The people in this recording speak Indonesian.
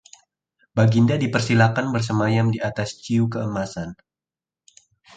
Baginda dipersilakan bersemayam di atas ciu keemasan